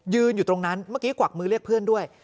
อยู่ตรงนั้นเมื่อกี้กวักมือเรียกเพื่อนด้วย